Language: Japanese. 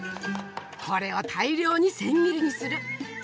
これを大量に千切りにする！